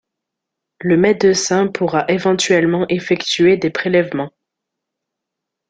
Le médecin pourra éventuellement effectuer des prélèvements.